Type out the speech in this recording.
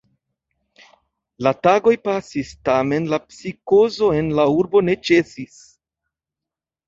La tagoj pasis, tamen la psikozo en la urbo ne ĉesis.